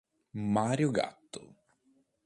Mario Gatto